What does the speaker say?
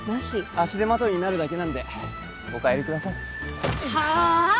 足手まといになるだけなんでお帰りくださいはあ！？